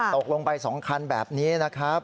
ตกลงไป๒คันแบบนี้นะครับ